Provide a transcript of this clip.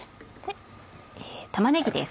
玉ねぎです。